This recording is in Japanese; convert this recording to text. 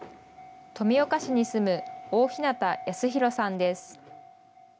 富岡市に住む大日方康博さんです。